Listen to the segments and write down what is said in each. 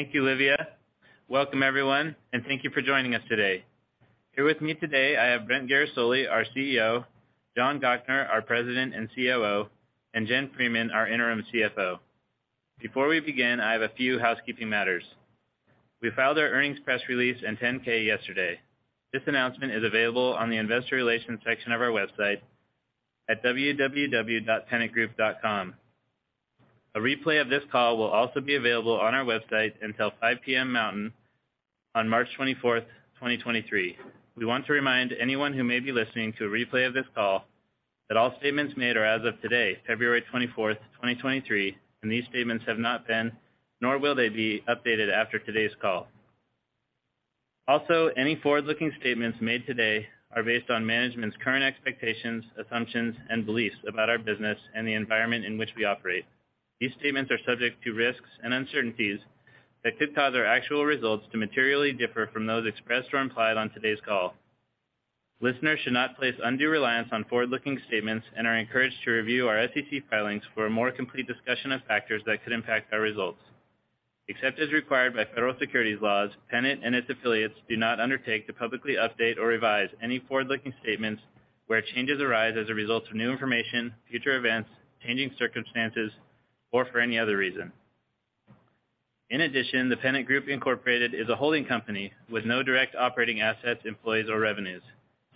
Thank you, Olivia. Welcome, everyone, thank you for joining us today. Here with me today, I have Brent Guerisoli, our CEO, John Gochnour, our President and COO, and Jennifer Freeman, our interim CFO. Before we begin, I have a few housekeeping matters. We filed our earnings press release and 10-K yesterday. This announcement is available on the investor relations section of our website at www.pennantgroup.com. A replay of this call will also be available on our website until 5:00 P.M. Mountain on March 24th, 2023. We want to remind anyone who may be listening to a replay of this call that all statements made are as of today, February 24th, 2023, these statements have not been, nor will they be updated after today's call. Any forward-looking statements made today are based on management's current expectations, assumptions, and beliefs about our business and the environment in which we operate. These statements are subject to risks and uncertainties that could cause our actual results to materially differ from those expressed or implied on today's call. Listeners should not place undue reliance on forward-looking statements and are encouraged to review our SEC filings for a more complete discussion of factors that could impact our results. Except as required by federal securities laws, Pennant and its affiliates do not undertake to publicly update or revise any forward-looking statements where changes arise as a result of new information, future events, changing circumstances, or for any other reason. The Pennant Group Incorporated is a holding company with no direct operating assets, employees, or revenues.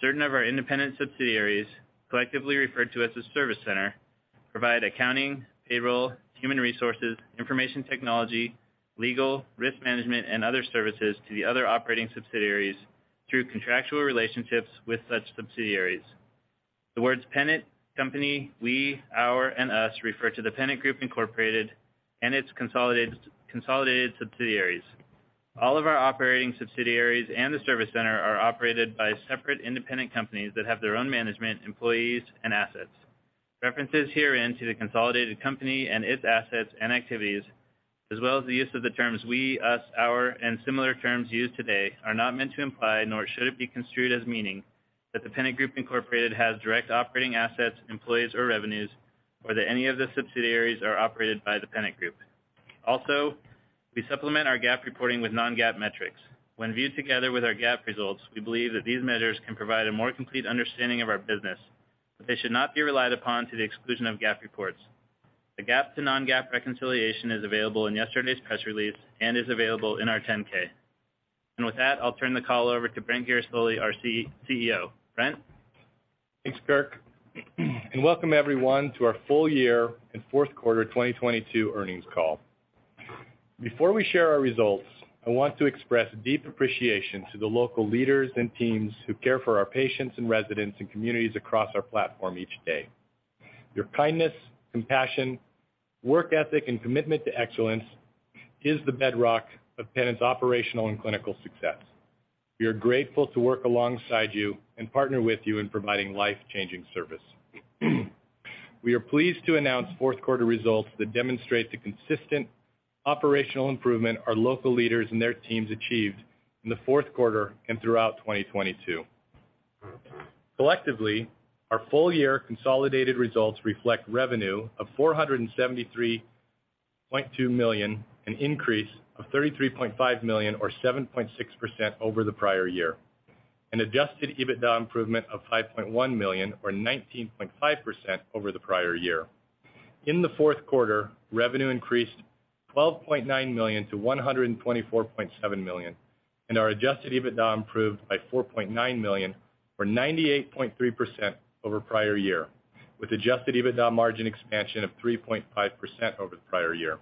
Certain of our independent subsidiaries, collectively referred to as a Service Center, provide accounting, payroll, human resources, information technology, legal, risk management, and other services to the other operating subsidiaries through contractual relationships with such subsidiaries. The words Pennant, company, we, our, and us refer to The Pennant Group, Inc. and its consolidated subsidiaries. All of our operating subsidiaries and the Service Center are operated by separate independent companies that have their own management, employees, and assets. References herein to the consolidated company and its assets and activities, as well as the use of the terms we, us, our, and similar terms used today are not meant to imply, nor should it be construed as meaning that The Pennant Group, Inc. has direct operating assets, employees, or revenues, or that any of the subsidiaries are operated by The Pennant Group. We supplement our GAAP reporting with non-GAAP metrics. When viewed together with our GAAP results, we believe that these measures can provide a more complete understanding of our business, but they should not be relied upon to the exclusion of GAAP reports. The GAAP to non-GAAP reconciliation is available in yesterday's press release and is available in our 10-K. With that, I'll turn the call over to Brent Guerisoli, our CEO. Brent? Thanks, Kirk. Welcome everyone to our full year in fourth quarter 2022 earnings call. Before we share our results, I want to express deep appreciation to the local leaders and teams who care for our patients and residents and communities across our platform each day. Your kindness, compassion, work ethic, and commitment to excellence is the bedrock of Pennant's operational and clinical success. We are grateful to work alongside you and partner with you in providing life-changing service. We are pleased to announce fourth quarter results that demonstrate the consistent operational improvement our local leaders and their teams achieved in the fourth quarter and throughout 2022. Collectively, our full year consolidated results reflect revenue of $473.2 million, an increase of $33.5 million or 7.6% over the prior year. An adjusted EBITDA improvement of $5.1 million or 19.5% over the prior year. In the fourth quarter, revenue increased $12.9 million to $124.7 million. Our adjusted EBITDA improved by $4.9 million or 98.3% over prior year, with adjusted EBITDA margin expansion of 3.5% over the prior year.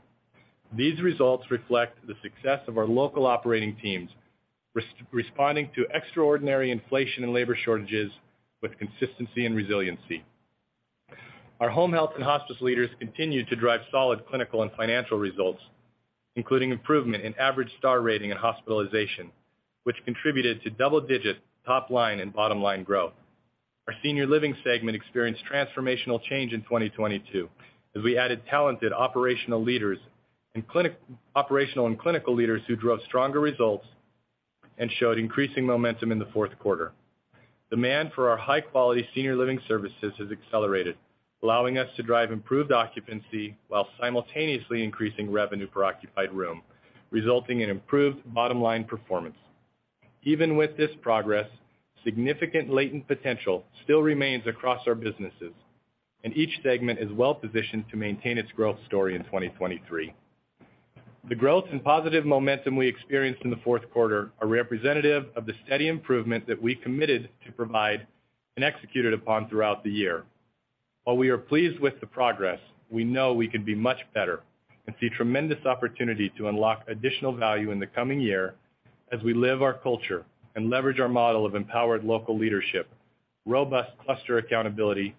These results reflect the success of our local operating teams responding to extraordinary inflation and labor shortages with consistency and resiliency. Our home health and hospice leaders continued to drive solid clinical and financial results, including improvement in average star rating and hospitalization, which contributed to double-digit top line and bottom line growth. Our senior living segment experienced transformational change in 2022 as we added talented operational and clinical leaders who drove stronger results and showed increasing momentum in the fourth quarter. Demand for our high-quality senior living services has accelerated, allowing us to drive improved occupancy while simultaneously increasing revenue per occupied room, resulting in improved bottom-line performance. Even with this progress, significant latent potential still remains across our businesses, and each segment is well-positioned to maintain its growth story in 2023. The growth and positive momentum we experienced in the fourth quarter are representative of the steady improvement that we committed to provide and executed upon throughout the year. While we are pleased with the progress, we know we can be much better and see tremendous opportunity to unlock additional value in the coming year as we live our culture and leverage our model of empowered local leadership, robust cluster accountability,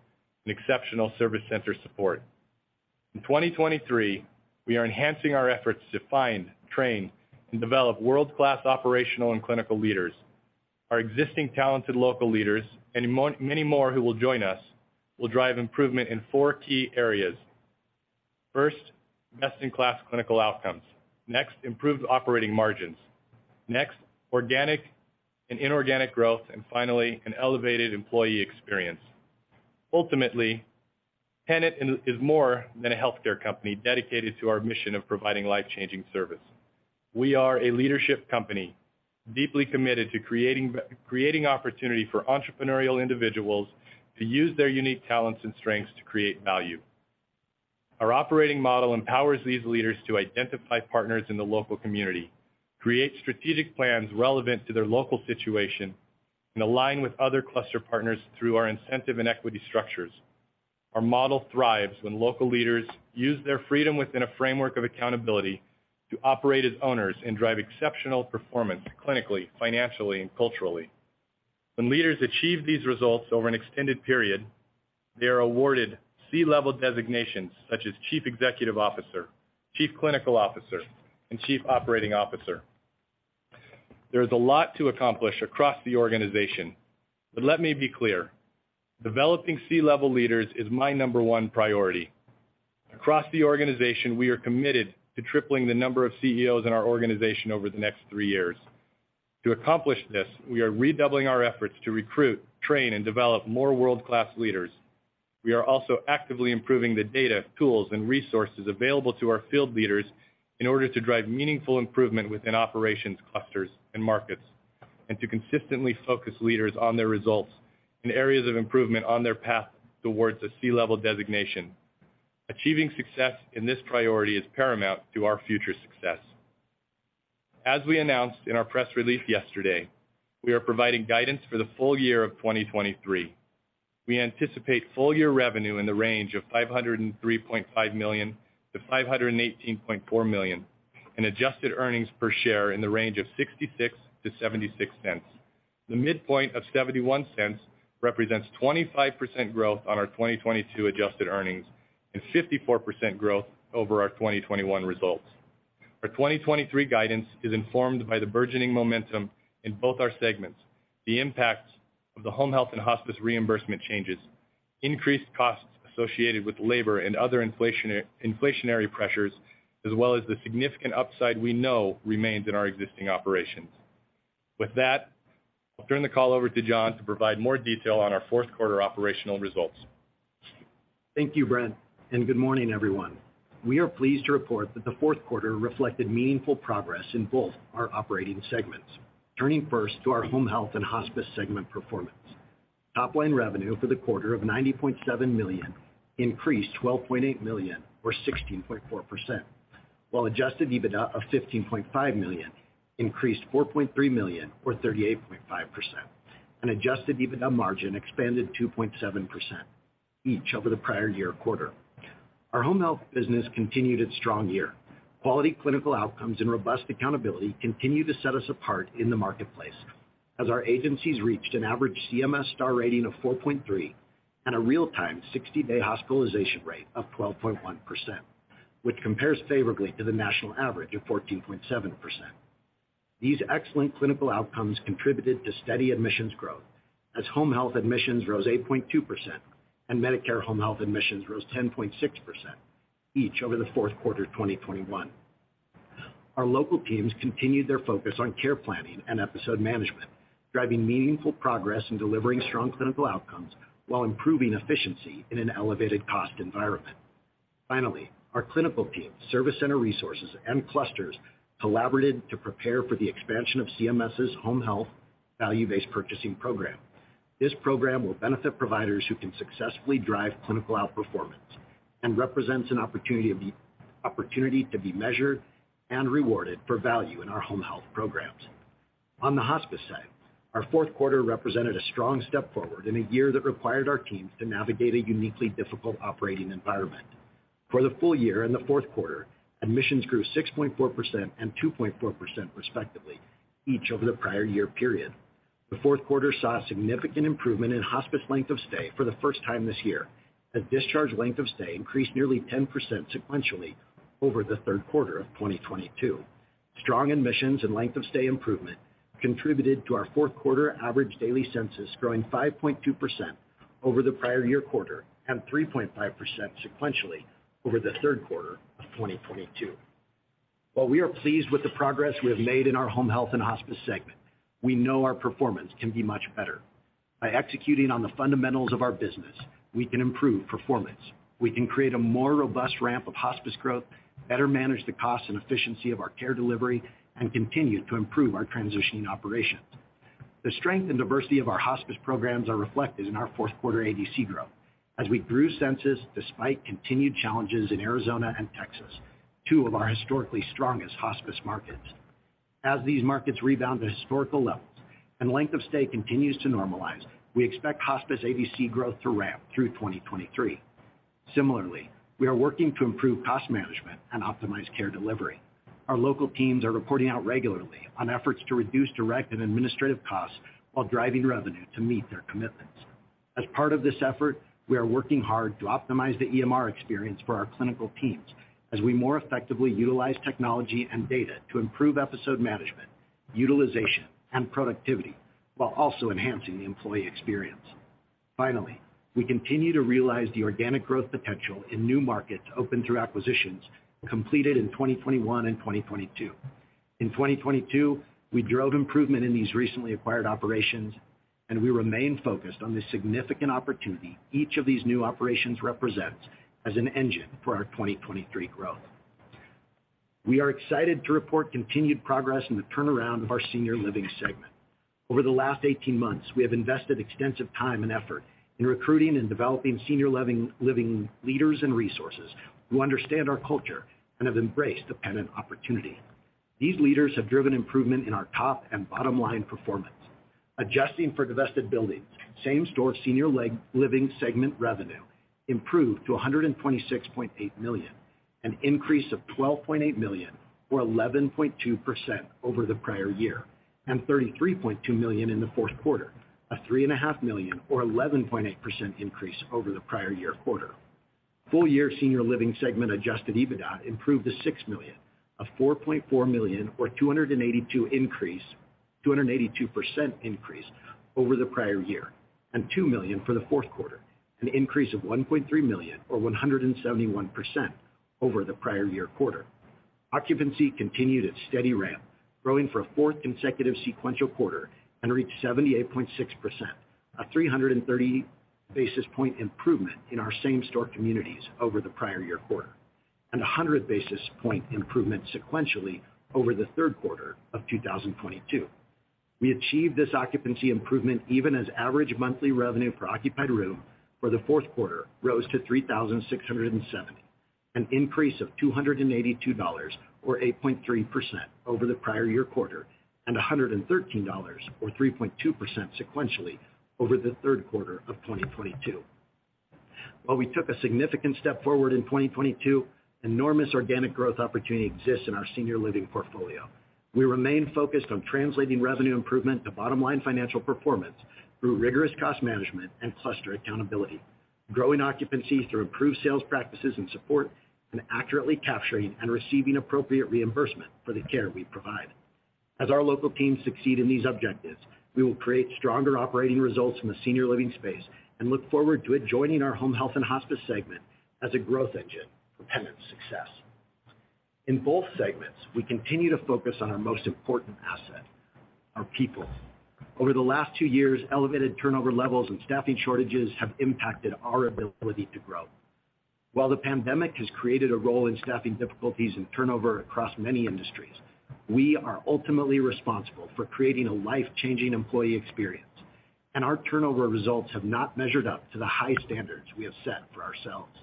and exceptional service center support. In 2023, we are enhancing our efforts to find, train, and develop world-class operational and clinical leaders. Our existing talented local leaders, and many more who will join us, will drive improvement in 4 key areas. First, best-in-class clinical outcomes. Next, improved operating margins. Next, organic and inorganic growth. Finally, an elevated employee experience. Ultimately, Pennant is more than a healthcare company dedicated to our mission of providing life-changing service. We are a leadership company, deeply committed to creating opportunity for entrepreneurial individuals to use their unique talents and strengths to create value. Our operating model empowers these leaders to identify partners in the local community, create strategic plans relevant to their local situation, and align with other cluster partners through our incentive and equity structures. Our model thrives when local leaders use their freedom within a framework of accountability to operate as owners and drive exceptional performance clinically, financially, and culturally. When leaders achieve these results over an extended period, they are awarded C-level designations such as Chief Executive Officer, Chief Clinical Officer, and Chief Operating Officer. There is a lot to accomplish across the organization, but let me be clear, developing C-level leaders is my number one priority. Across the organization, we are committed to tripling the number of CEOs in our organization over the next three years. To accomplish this, we are redoubling our efforts to recruit, train, and develop more world-class leaders. We are also actively improving the data, tools, and resources available to our field leaders in order to drive meaningful improvement within operations clusters and markets, and to consistently focus leaders on their results and areas of improvement on their path towards a C-level designation. Achieving success in this priority is paramount to our future success. As we announced in our press release yesterday, we are providing guidance for the full year of 2023. We anticipate full year revenue in the range of $503.5 million-$518.4 million, and adjusted earnings per share in the range of $0.66-$0.76. The midpoint of $0.71 represents 25% growth on our 2022 adjusted earnings and 54% growth over our 2021 results. Our 2023 guidance is informed by the burgeoning momentum in both our segments, the impact of the home health and hospice reimbursement changes, increased costs associated with labor and other inflationary pressures, as well as the significant upside we know remains in our existing operations. With that, I'll turn the call over to John to provide more detail on our fourth quarter operational results. Thank you, Brent, and good morning, everyone. We are pleased to report that the fourth quarter reflected meaningful progress in both our operating segments. Turning first to our home health and hospice segment performance. Top line revenue for the quarter of $90.7 million increased $12.8 million or 16.4%, while adjusted EBITDA of $15.5 million increased $4.3 million or 38.5%, and adjusted EBITDA margin expanded 2.7% each over the prior year quarter. Our home health business continued its strong year. Quality clinical outcomes and robust accountability continue to set us apart in the marketplace, as our agencies reached an average CMS star rating of 4.3 and a real-time 60-day hospitalization rate of 12.1%, which compares favorably to the national average of 14.7%. These excellent clinical outcomes contributed to steady admissions growth, as home health admissions rose 8.2%, and Medicare home health admissions rose 10.6%, each over the fourth quarter of 2021. Our local teams continued their focus on care planning and episode management, driving meaningful progress in delivering strong clinical outcomes while improving efficiency in an elevated cost environment. Our clinical team, Service Center resources, and clusters collaborated to prepare for the expansion of CMS's Home Health Value-Based Purchasing program. This program will benefit providers who can successfully drive clinical outperformance and represents an opportunity to be measured and rewarded for value in our home health programs. The hospice side, our fourth quarter represented a strong step forward in a year that required our teams to navigate a uniquely difficult operating environment. For the full year and the fourth quarter, admissions grew 6.4% and 2.4% respectively, each over the prior-year period. The fourth quarter saw a significant improvement in hospice length of stay for the first time this year, as discharge length of stay increased nearly 10% sequentially over the third quarter of 2022. Strong admissions and length of stay improvement contributed to our fourth quarter average daily census growing 5.2% over the prior-year quarter and 3.5% sequentially over the third quarter of 2022. While we are pleased with the progress we have made in our home health and hospice segment, we know our performance can be much better. By executing on the fundamentals of our business, we can improve performance. We can create a more robust ramp of hospice growth, better manage the cost and efficiency of our care delivery, and continue to improve our transitioning operations. The strength and diversity of our hospice programs are reflected in our fourth quarter ADC growth as we grew census despite continued challenges in Arizona and Texas, two of our historically strongest hospice markets. As these markets rebound to historical levels and length of stay continues to normalize, we expect hospice ADC growth to ramp through 2023. Similarly, we are working to improve cost management and optimize care delivery. Our local teams are reporting out regularly on efforts to reduce direct and administrative costs while driving revenue to meet their commitments. As part of this effort, we are working hard to optimize the EMR experience for our clinical teams as we more effectively utilize technology and data to improve episode management, utilization, and productivity while also enhancing the employee experience. We continue to realize the organic growth potential in new markets opened through acquisitions completed in 2021 and 2022. In 2022, we drove improvement in these recently acquired operations. We remain focused on the significant opportunity each of these new operations represents as an engine for our 2023 growth. We are excited to report continued progress in the turnaround of our senior living segment. Over the last 18 months, we have invested extensive time and effort in recruiting and developing senior living leaders and resources who understand our culture and have embraced the Pennant opportunity. These leaders have driven improvement in our top and bottom line performance. Adjusting for divested buildings, same-store senior living segment revenue improved to $126.8 million, an increase of $12.8 million or 11.2% over the prior year, and $33.2 million in the fourth quarter, a three and a half million or 11.8% increase over the prior year quarter. Full year senior living segment adjusted EBITDA improved to $6 million, a $4.4 million or 282% increase over the prior year, and $2 million for the fourth quarter, an increase of $1.3 million or 171% over the prior year quarter. Occupancy continued its steady ramp, growing for a fourth consecutive sequential quarter and reached 78.6%, a 330 basis point improvement in our same-store communities over the prior year quarter, and a 100 basis point improvement sequentially over the third quarter of 2022. We achieved this occupancy improvement even as average monthly revenue per occupied room for the fourth quarter rose to $3,670, an increase of $282 or 8.3% over the prior year quarter, and $113 or 3.2% sequentially over the third quarter of 2022. While we took a significant step forward in 2022, enormous organic growth opportunity exists in our senior living portfolio. We remain focused on translating revenue improvement to bottom line financial performance through rigorous cost management and cluster accountability, growing occupancy through improved sales practices and support, and accurately capturing and receiving appropriate reimbursement for the care we provide. As our local teams succeed in these objectives, we will create stronger operating results in the senior living space and look forward to adjoining our home health and hospice segment as a growth engine for Pennant's success. In both segments, we continue to focus on our most important asset, our people. Over the last two years, elevated turnover levels and staffing shortages have impacted our ability to grow. While the pandemic has created a role in staffing difficulties and turnover across many industries, we are ultimately responsible for creating a life-changing employee experience, and our turnover results have not measured up to the high standards we have set for ourselves.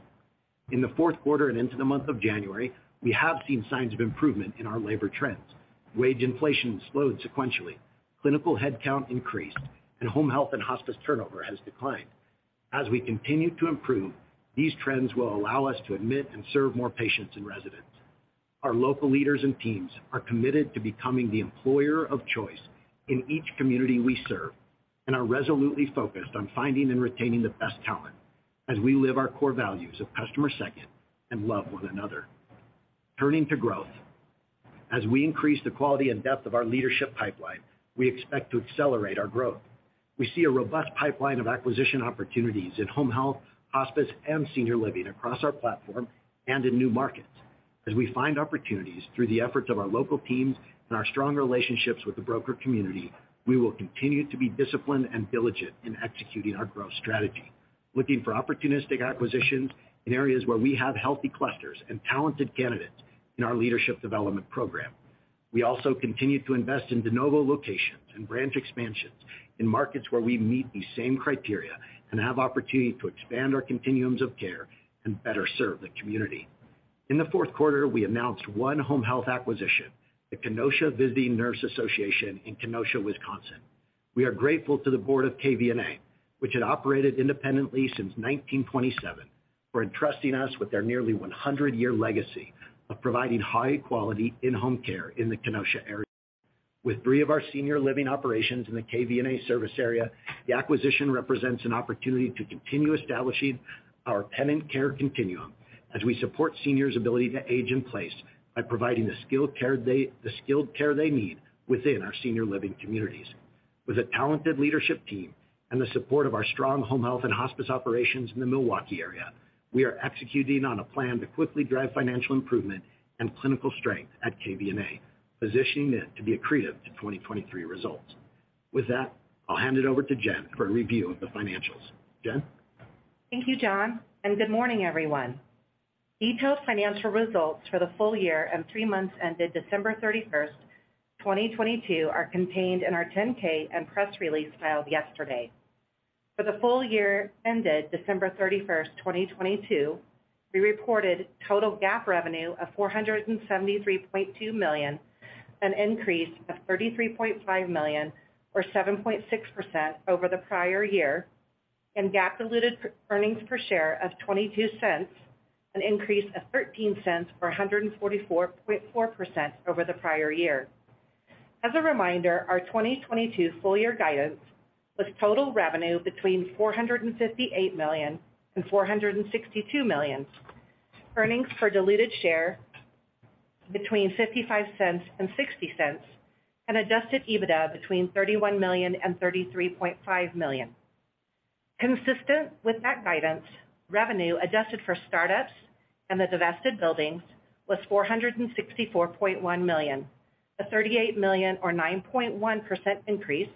In the fourth quarter and into the month of January, we have seen signs of improvement in our labor trends. Wage inflation slowed sequentially. Clinical headcount increased, and home health and hospice turnover has declined. As we continue to improve, these trends will allow us to admit and serve more patients and residents. Our local leaders and teams are committed to becoming the employer of choice in each community we serve and are resolutely focused on finding and retaining the best talent as we live our core values of customer second and love one another. Turning to growth. As we increase the quality and depth of our leadership pipeline, we expect to accelerate our growth. We see a robust pipeline of acquisition opportunities in home health, hospice, and senior living across our platform and in new markets. We find opportunities through the efforts of our local teams and our strong relationships with the broker community, we will continue to be disciplined and diligent in executing our growth strategy, looking for opportunistic acquisitions in areas where we have healthy clusters and talented candidates in our leadership development program. We also continue to invest in de novo locations and branch expansions in markets where we meet these same criteria and have opportunity to expand our continuums of care and better serve the community. In the fourth quarter, we announced 1 home health acquisition, the Kenosha Visiting Nurse Association in Kenosha, Wisconsin. We are grateful to the board of KVNA, which had operated independently since 1927, for entrusting us with their nearly 100-year legacy of providing high quality in-home care in the Kenosha area. With three of our senior living operations in the KVNA service area, the acquisition represents an opportunity to continue establishing our Pennant Care Continuum as we support seniors' ability to age in place by providing the skilled care they need within our senior living communities. With a talented leadership team and the support of our strong home health and hospice operations in the Milwaukee area, we are executing on a plan to quickly drive financial improvement and clinical strength at KVNA, positioning it to be accretive to 2023 results. With that, I'll hand it over to Jen for a review of the financials. Jen? Thank you, John, and good morning, everyone. Detailed financial results for the full year and 3 months ended December 31, 2022, are contained in our 10-K and press release filed yesterday. For the full year ended December 31, 2022, we reported total GAAP revenue of $473.2 million, an increase of $33.5 million or 7.6% over the prior year, and GAAP diluted earnings per share of $0.22, an increase of $0.13 or 144.4% over the prior year. As a reminder, our 2022 full year guidance was total revenue between $458 million and $462 million, earnings per diluted share between $0.55 and $0.60, and adjusted EBITDA between $31 million and $33.5 million. Consistent with that guidance, revenue adjusted for startups and the divested buildings was $464.1 million, a $38 million or 9.1% increase.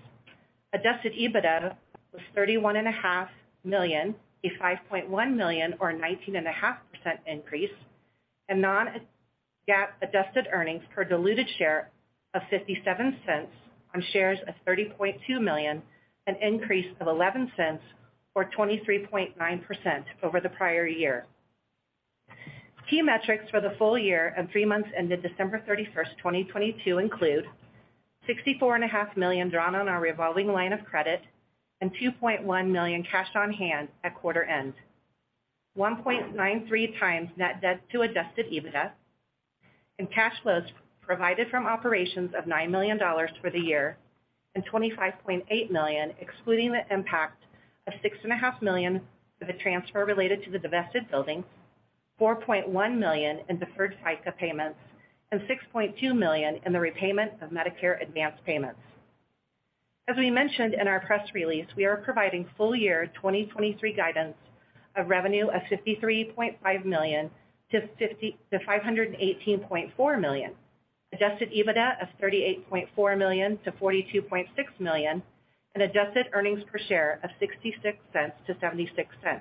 Adjusted EBITDA was $31.5 million, a $5.1 million or 19.5% increase. Non-GAAP adjusted earnings per diluted share of $0.57 on shares of 30.2 million, an increase of $0.11 or 23.9% over the prior year. Key metrics for the full year and 3 months ended December 31, 2022 include sixty-four and a half million drawn on our revolving line of credit and $2.1 million cash on hand at quarter end. 1.93 times net debt to adjusted EBITDA and cash flows provided from operations of $9 million for the year and $25.8 million, excluding the impact of six and a half million for the transfer related to the divested building, $4.1 million in deferred FICA payments, and $6.2 million in the repayment of Medicare advanced payments. As we mentioned in our press release, we are providing full year 2023 guidance of revenue of $53.5 million-$518.4 million, adjusted EBITDA of $38.4 million-$42.6 million, and adjusted earnings per share of $0.66-$0.76.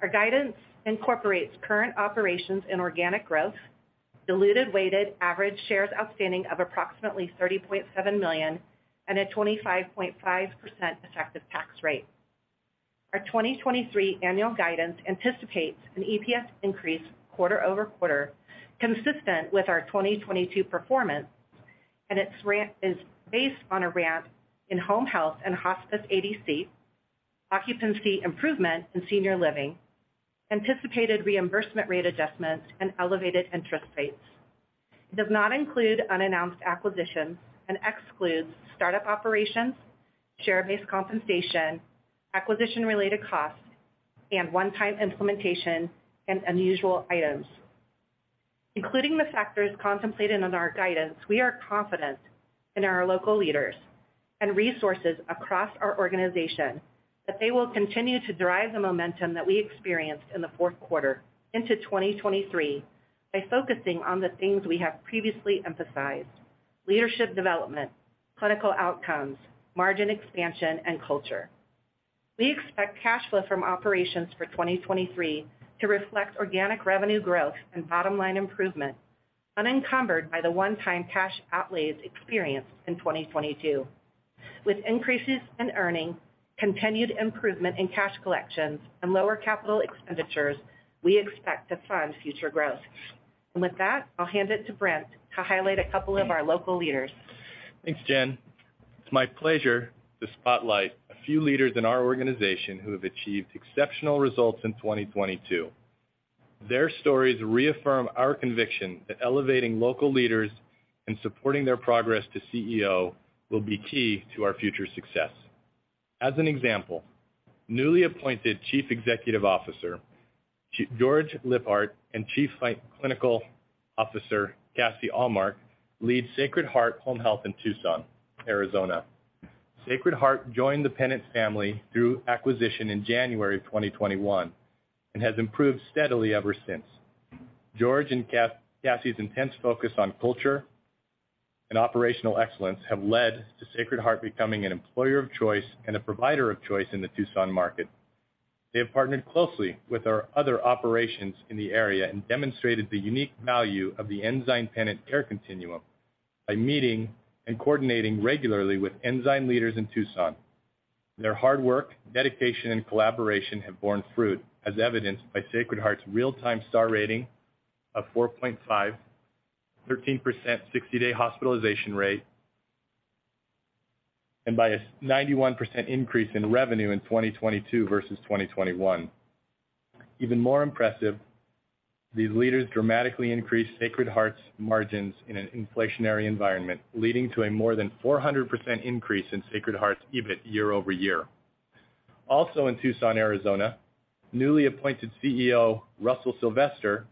Our guidance incorporates current operations in organic growth, diluted weighted average shares outstanding of approximately 30.7 million, and a 25.5% effective tax rate. Our 2023 annual guidance anticipates an EPS increase quarter-over-quarter, consistent with our 2022 performance, and its ramp is based on a ramp in home health and hospice ADC, occupancy improvement in senior living, anticipated reimbursement rate adjustments, and elevated interest rates. It does not include unannounced acquisitions and excludes startup operations, share-based compensation, acquisition-related costs, and one-time implementation and unusual items. Including the factors contemplated in our guidance, we are confident in our local leaders and resources across our organization that they will continue to drive the momentum that we experienced in the fourth quarter into 2023 by focusing on the things we have previously emphasized: leadership development, clinical outcomes, margin expansion, and culture. We expect cash flow from operations for 2023 to reflect organic revenue growth and bottom-line improvement, unencumbered by the one-time cash outlays experienced in 2022. With increases in earnings, continued improvement in cash collections, and lower capital expenditures, we expect to fund future growth. With that, I'll hand it to Brent to highlight a couple of our local leaders. Thanks, Jen. It's my pleasure to spotlight a few leaders in our organization who have achieved exceptional results in 2022. Their stories reaffirm our conviction that elevating local leaders and supporting their progress to CEO will be key to our future success. As an example, newly appointed Chief Executive Officer George Lorkin and Chief Clinical Officer Kasi Allred lead Sacred Heart Home Health in Tucson, Arizona. Sacred Heart joined the Pennant family through acquisition in January of 2021 and has improved steadily ever since. George and Kasi's intense focus on culture and operational excellence have led to Sacred Heart becoming an employer of choice and a provider of choice in the Tucson market. They have partnered closely with our other operations in the area and demonstrated the unique value of the Ensign Pennant Care Continuum by meeting and coordinating regularly with Ensign leaders in Tucson. Their hard work, dedication, and collaboration have borne fruit, as evidenced by Sacred Heart's real-time star rating of 4.5, 13% 60-day hospitalization rate, and by a 91% increase in revenue in 2022 versus 2021. Even more impressive, these leaders dramatically increased Sacred Heart's margins in an inflationary environment, leading to a more than 400% increase in Sacred Heart's EBIT year-over-year. Also in Tucson, Arizona, newly appointed CEO Russell Salyer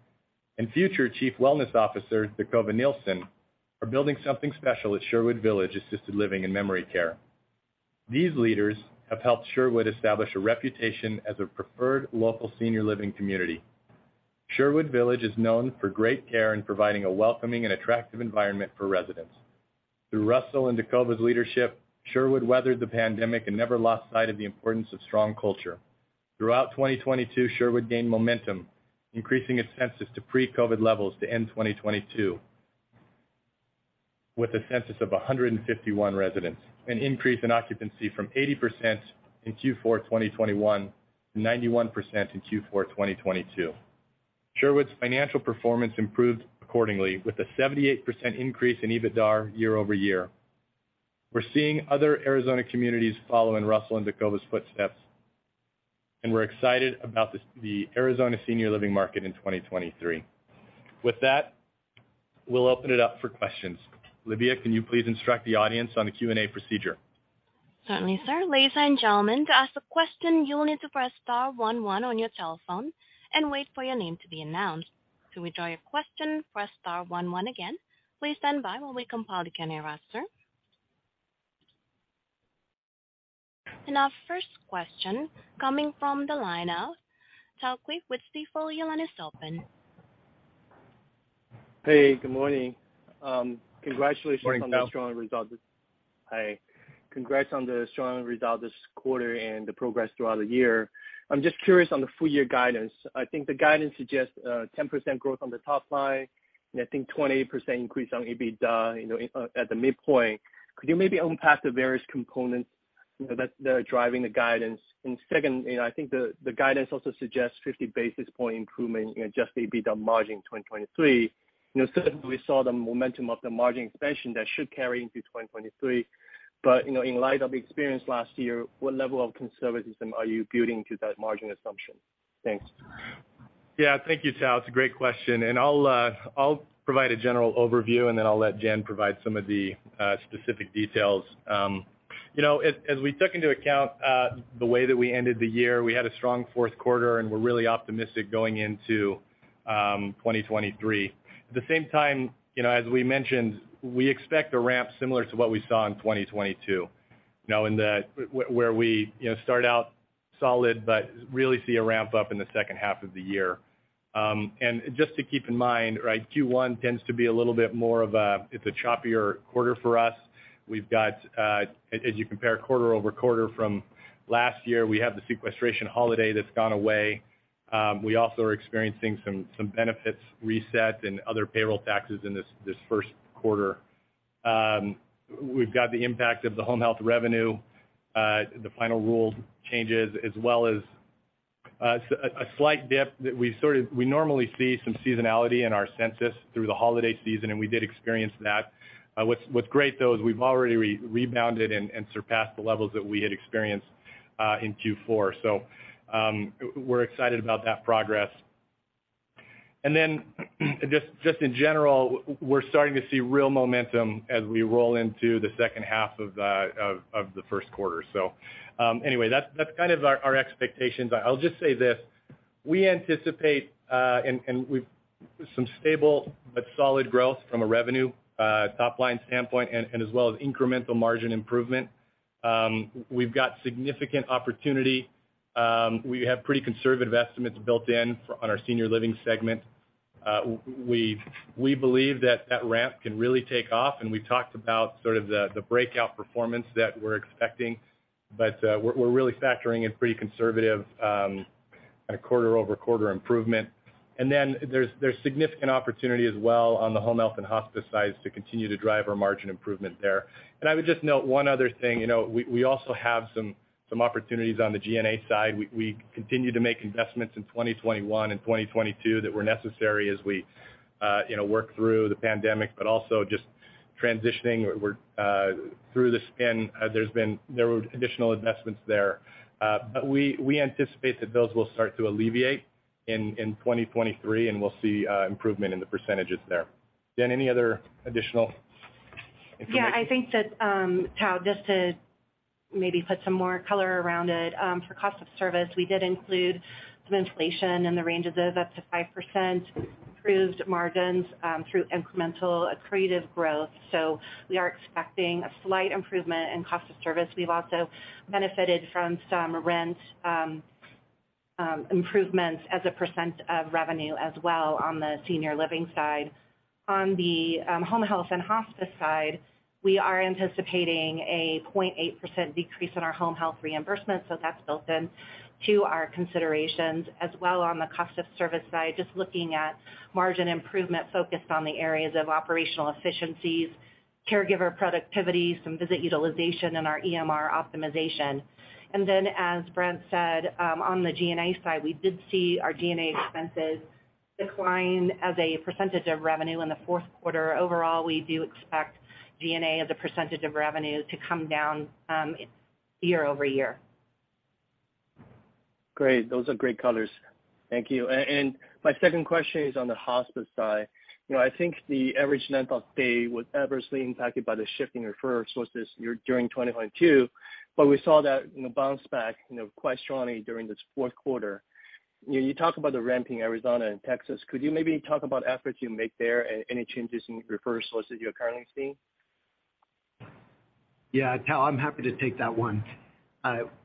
and future Chief Wellness Officer Dacova Nielson are building something special at Sherwood Village Assisted Living and Memory Care. These leaders have helped Sherwood establish a reputation as a preferred local senior living community. Sherwood Village is known for great care and providing a welcoming and attractive environment for residents. Through Russell and Dakova's leadership, Sherwood weathered the pandemic and never lost sight of the importance of strong culture. Throughout 2022, Sherwood gained momentum, increasing its census to pre-COVID levels to end 2022 with a census of 151 residents, an increase in occupancy from 80% in Q4 2021 to 91% in Q4 2022. Sherwood's financial performance improved accordingly, with a 78% increase in EBITDAR year-over-year. We're seeing other Arizona communities follow in Russell and Dakova's footsteps, and we're excited about the Arizona senior living market in 2023. With that, we'll open it up for questions. Olivia, can you please instruct the audience on the Q&A procedure? Certainly, sir. Ladies and gentlemen, to ask a question, you'll need to press star one one on your telephone and wait for your name to be announced. To withdraw your question, press star one one again. Please stand by while we compile the queue, sir. Our first question coming from the line of Tao Qiu with Stifel. Your line is open. Hey, good morning. Morning, Tao. -on the strong results. Hi. Congrats on the strong result this quarter and the progress throughout the year. I'm just curious on the full year guidance. I think the guidance suggests 10% growth on the top line, and I think 28% increase on EBITDA, you know, at the midpoint. Could you maybe unpack the various components that are driving the guidance? Second, you know, I think the guidance also suggests 50 basis point improvement in adjusted EBITDA margin in 2023. You know, certainly we saw the momentum of the margin expansion that should carry into 2023. You know, in light of experience last year, what level of conservatism are you building to that margin assumption? Thanks. Thank you, Tao. It's a great question, and I'll provide a general overview, and then I'll let Jen provide some of the specific details. You know, as we took into account, the way that we ended the year, we had a strong fourth quarter, and we're really optimistic going into 2023. At the same time, you know, as we mentioned, we expect a ramp similar to what we saw in 2022, you know, where we, you know, start out solid but really see a ramp up in the second half of the year. Just to keep in mind, right, Q1 tends to be a choppier quarter for us. We've got, as you compare quarter-over-quarter from last year, we have the sequestration holiday that's gone away. We also are experiencing some benefits reset and other payroll taxes in this first quarter. We've got the impact of the home health revenue, the final rule changes, as well as a slight dip that we normally see some seasonality in our census through the holiday season, and we did experience that. What's great, though, is we've already rebounded and surpassed the levels that we had experienced in Q4. Anyway, that's kind of our expectations. I'll just say this, we anticipate, and we've some stable but solid growth from a revenue, top-line standpoint as well as incremental margin improvement. We've got significant opportunity. We have pretty conservative estimates built in on our senior living segment. We believe that that ramp can really take off, and we talked about sort of the breakout performance that we're expecting. We're really factoring in pretty conservative, kind of quarter-over-quarter improvement. There's significant opportunity as well on the home health and hospice sides to continue to drive our margin improvement there. I would just note one other thing. You know, we also have some opportunities on the G&A side. We continued to make investments in 2021 and 2022 that were necessary as we, you know, work through the pandemic, but also just transitioning. We're through the spin, there were additional investments there. We anticipate that those will start to alleviate in 2023, and we'll see improvement in the percentages there. Jen, any other additional information? I think that, Tao, just to maybe put some more color around it, for cost of service, we did include some inflation in the range of the up to 5%, improved margins through incremental accretive growth. We are expecting a slight improvement in cost of service. We've also benefited from some rent improvements as a percent of revenue as well on the senior living side. On the home health and hospice side, we are anticipating a 0.8% decrease in our home health reimbursement, that's built into our considerations. On the cost of service side, just looking at margin improvement focused on the areas of operational efficiencies, caregiver productivity, some visit utilization, and our EMR optimization. As Brent said, on the G&A side, we did see our G&A expenses decline as a % of revenue in the fourth quarter. Overall, we do expect G&A as a % of revenue to come down, year-over-year. Great. Those are great colors. Thank you. My second question is on the hospice side. You know, I think the average length of stay was adversely impacted by the shifting referral sources during 2022, but we saw that, you know, bounce back, you know, quite strongly during this fourth quarter. You know, you talk about the ramp in Arizona and Texas. Could you maybe talk about efforts you make there and any changes in referral sources you're currently seeing? Yeah, Tao, I'm happy to take that one.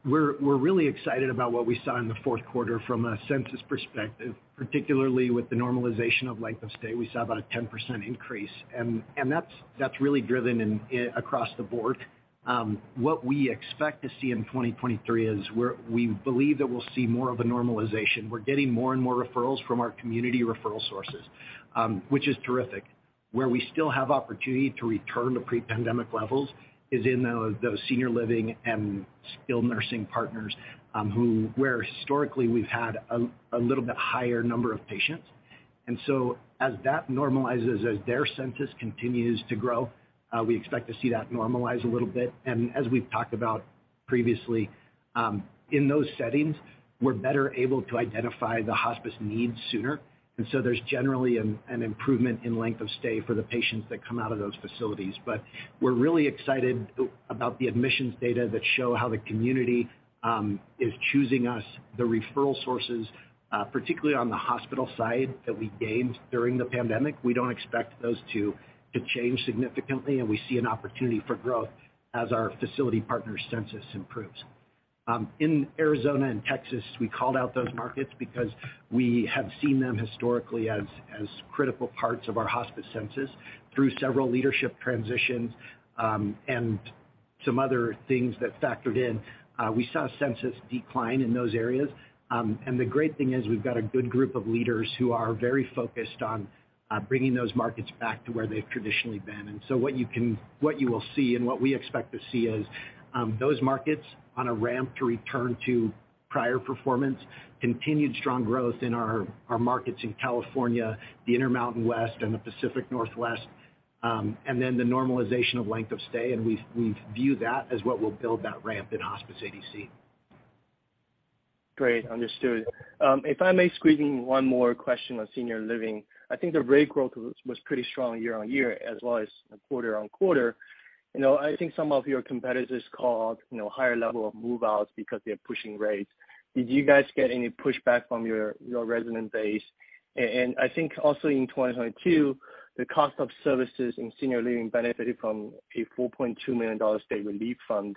We're really excited about what we saw in the fourth quarter from a census perspective, particularly with the normalization of length of stay. We saw about a 10% increase, and that's really driven in across the board. What we expect to see in 2023 is we believe that we'll see more of a normalization. We're getting more and more referrals from our community referral sources, which is terrific. Where we still have opportunity to return to pre-pandemic levels is in those senior living and skilled nursing partners, where historically we've had a little bit higher number of patients. As that normalizes, as their census continues to grow, we expect to see that normalize a little bit. As we've talked about previously, in those settings, we're better able to identify the hospice needs sooner. There's generally an improvement in length of stay for the patients that come out of those facilities. We're really excited about the admissions data that show how the community is choosing us. The referral sources, particularly on the hospital side that we gained during the pandemic, we don't expect those to change significantly, and we see an opportunity for growth as our facility partner census improves. In Arizona and Texas, we called out those markets because we have seen them historically as critical parts of our hospice census through several leadership transitions, and some other things that factored in. We saw census decline in those areas. The great thing is we've got a good group of leaders who are very focused on bringing those markets back to where they've traditionally been. What you will see and what we expect to see is those markets on a ramp to return to prior performance, continued strong growth in our markets in California, the Intermountain West, and the Pacific Northwest, and then the normalization of length of stay, and we view that as what will build that ramp in hospice ADC. Great. Understood. If I may squeeze in one more question on senior living. I think the rate growth was pretty strong year-on-year as well as quarter-on-quarter. You know, I think some of your competitors called, you know, higher level of move-outs because they're pushing rates. Did you guys get any pushback from your resident base? I think also in 2022, the cost of services in senior living benefited from a $4.2 million state relief fund.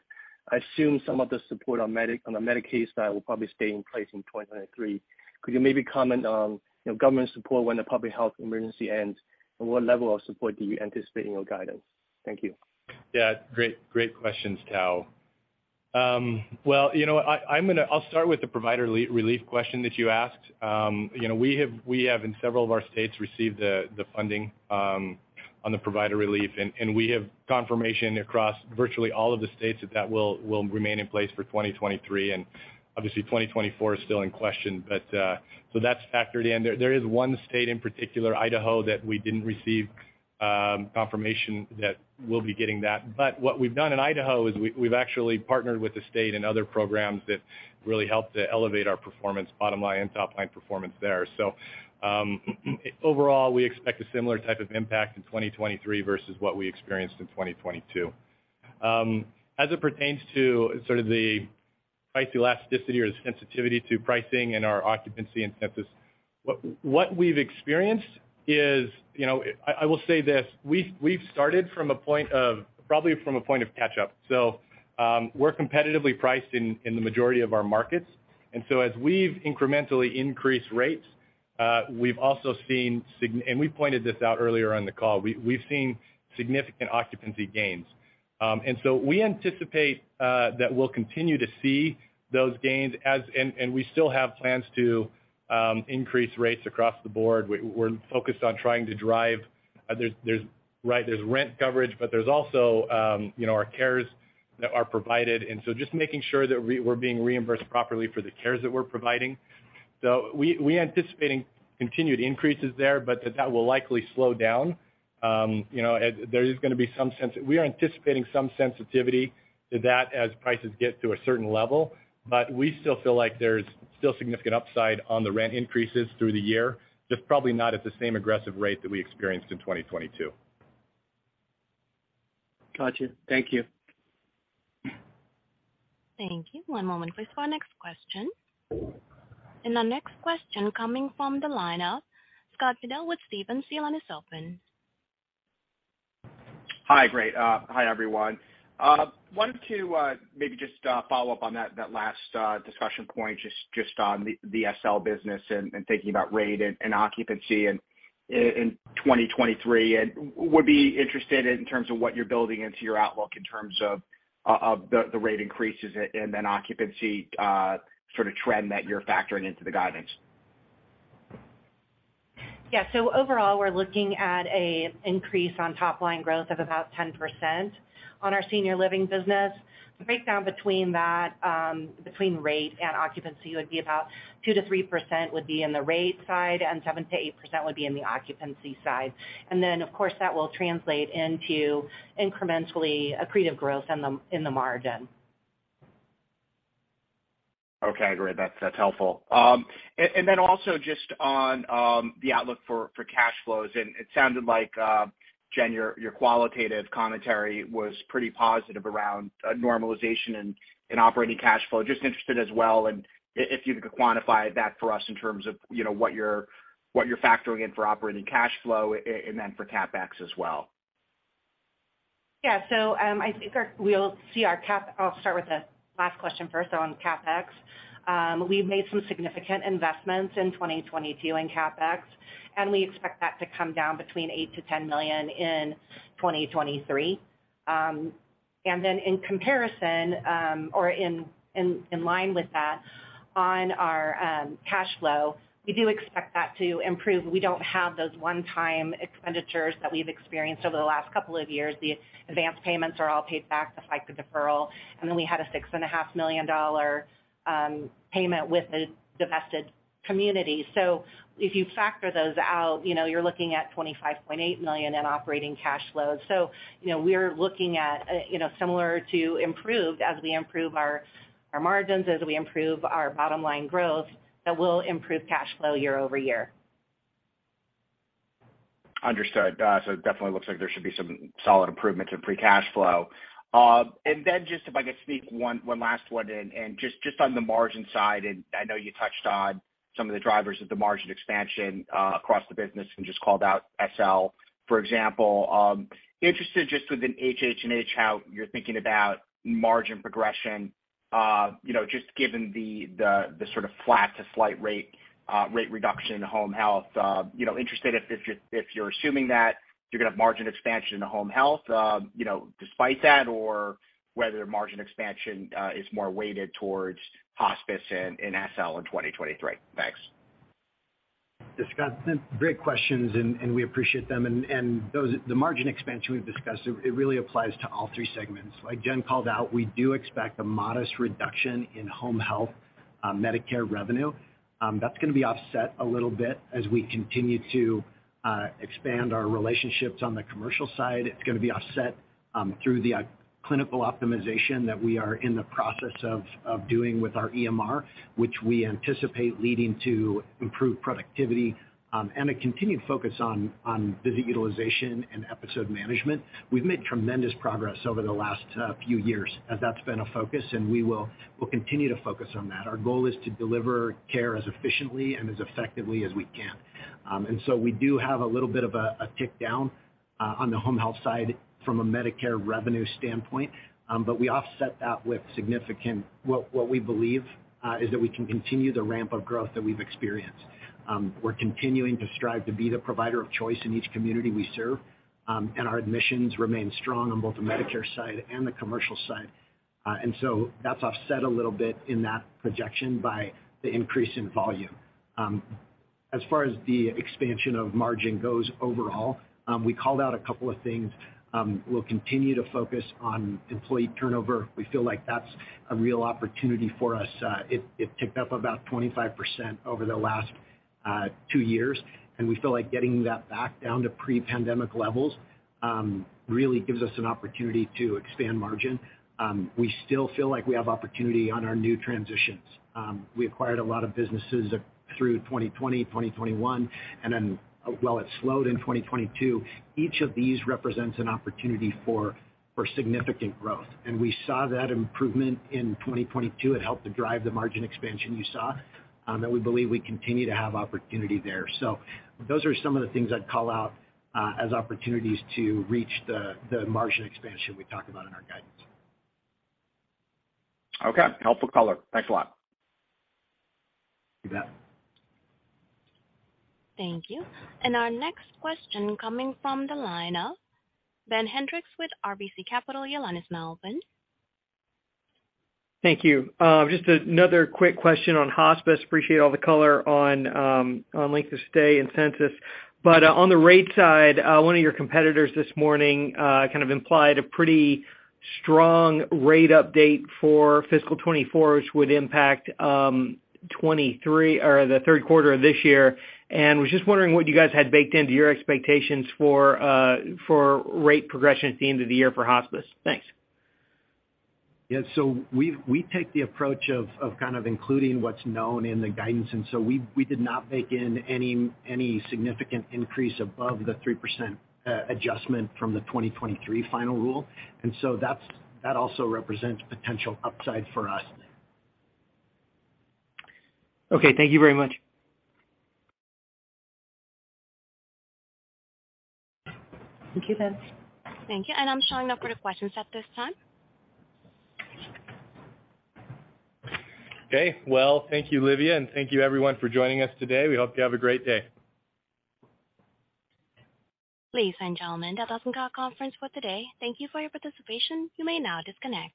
I assume some of the support on the Medicaid side will probably stay in place in 2023. Could you maybe comment on, you know, government support when the public health emergency ends, and what level of support do you anticipate in your guidance? Thank you. Yeah. Great, great questions, Tao. Well, you know what, I'll start with the provider re-relief question that you asked. You know, we have in several of our states received the funding on the provider relief, and we have confirmation across virtually all of the states that will remain in place for 2023, and obviously 2024 is still in question. That's factored in. There is one state in particular, Idaho, that we didn't receive confirmation that we'll be getting that. What we've done in Idaho is we've actually partnered with the state and other programs that really help to elevate our performance, bottom line and top line performance there. Overall, we expect a similar type of impact in 2023 versus what we experienced in 2022. As it pertains to sort of the price elasticity or sensitivity to pricing and our occupancy and census, what we've experienced is, you know. I will say this, we've started from a point of, probably from a point of catch-up. We're competitively priced in the majority of our markets. As we've incrementally increased rates, we've also seen and we pointed this out earlier on the call. We've seen significant occupancy gains. We anticipate that we'll continue to see those gains as, and we still have plans to increase rates across the board. We're focused on trying to drive, there's, right, there's rent coverage, but there's also, you know, our cares that are provided, and so just making sure that we're being reimbursed properly for the cares that we're providing. We're anticipating continued increases there, but that will likely slow down. You know, there is gonna be some sensitivity to that as prices get to a certain level, but we still feel like there's still significant upside on the rent increases through the year, just probably not at the same aggressive rate that we experienced in 2022. Gotcha. Thank you. Thank you. One moment, please, for our next question. Our next question coming from the line of Scott Fidel with Stephens. Your line is open. Hi. Great. Hi, everyone. Wanted to maybe just follow up on that last discussion point just on the SL business and thinking about rate and occupancy in 2023. Would be interested in terms of what you're building into your outlook in terms of the rate increases and then occupancy sort of trend that you're factoring into the guidance. Yeah. Overall, we're looking at a increase on top line growth of about 10% on our senior living business. The breakdown between that, between rate and occupancy would be about 2%-3% would be in the rate side and 7%-8% would be in the occupancy side. Then, of course, that will translate into incrementally accretive growth in the, in the margin. Okay, great. That's helpful. Also just on the outlook for cash flows, and it sounded like Jen, your qualitative commentary was pretty positive around normalization in operating cash flow. Just interested as well in if you could quantify that for us in terms of, you know, what you're factoring in for operating cash flow and then for CapEx as well? I'll start with the last question first, though, on CapEx. We've made some significant investments in 2022 in CapEx, and we expect that to come down between $8 million-$10 million in 2023. In comparison, or in line with that, on our cash flow, we do expect that to improve. We don't have those one-time expenditures that we've experienced over the last couple of years. The advanced payments are all paid back, the FICA deferral, we had a six and a half million dollar payment with the divested community. If you factor those out, you know, you're looking at $25.8 million in operating cash flow. You know, we're looking at, you know, similar to improved as we improve our margins, as we improve our bottom line growth, that we'll improve cash flow year-over-year. Understood. It definitely looks like there should be some solid improvements in free cash flow. Just if I could sneak one last one in, and just on the margin side, and I know you touched on some of the drivers of the margin expansion, across the business and just called out SL, for example. Interested just within HH and H, how you're thinking about margin progression, you know, just given the sort of flat to slight rate reduction in home health. You know, interested if you're assuming that you're gonna have margin expansion into home health, you know, despite that or whether margin expansion is more weighted towards hospice and SL in 2023? Thanks. This is Scott. Great questions and we appreciate them. The margin expansion we've discussed, it really applies to all three segments. Like Jen called out, we do expect a modest reduction in home health, Medicare revenue. That's gonna be offset a little bit as we continue to expand our relationships on the commercial side. It's gonna be offset through the clinical optimization that we are in the process of doing with our EMR, which we anticipate leading to improved productivity, and a continued focus on visit utilization and episode management. We've made tremendous progress over the last few years as that's been a focus, and we'll continue to focus on that. Our goal is to deliver care as efficiently and as effectively as we can. We do have a little bit of a tick down on the home health side from a Medicare revenue standpoint. We offset that with significant What we believe is that we can continue the ramp of growth that we've experienced. We're continuing to strive to be the provider of choice in each community we serve. Our admissions remain strong on both the Medicare side and the commercial side. That's offset a little bit in that projection by the increase in volume. As far as the expansion of margin goes overall, we called out a couple of things. We'll continue to focus on employee turnover. We feel like that's a real opportunity for us. It ticked up about 25% over the last two years, and we feel like getting that back down to pre-pandemic levels, really gives us an opportunity to expand margin. We still feel like we have opportunity on our new transitions. We acquired a lot of businesses through 2020, 2021, and then while it slowed in 2022, each of these represents an opportunity for significant growth. We saw that improvement in 2022. It helped to drive the margin expansion you saw, and we believe we continue to have opportunity there. Those are some of the things I'd call out as opportunities to reach the margin expansion we talk about in our guidance. Okay. Helpful color. Thanks a lot. You bet. Thank you. Our next question coming from the line of Ben Hendrix with RBC Capital. Your line is now open. Thank you. Just another quick question on hospice. Appreciate all the color on length of stay incentives. But on the rate side, one of your competitors this morning, kind of implied a pretty strong rate update for fiscal 2024, which would impact 23 or the third quarter of this year. Was just wondering what you guys had baked into your expectations for rate progression at the end of the year for hospice. Thanks. We take the approach of kind of including what's known in the guidance. We did not bake in any significant increase above the 3% adjustment from the 2023 final rule. That also represents potential upside for us. Okay. Thank you very much. Thank you, Ben. Thank you. I'm showing no further questions at this time. Thank you, Olivia, and thank you everyone for joining us today. We hope you have a great day. Ladies and gentlemen, that does end our conference for today. Thank you for your participation. You may now disconnect.